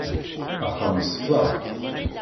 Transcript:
Axxam yessefraḥ.